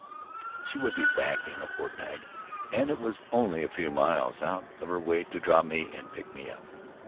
She would be back in a fortnight, and it was only a few miles out of her way to drop me and pick me up.